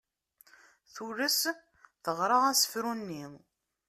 Tules teɣra asefru-nni.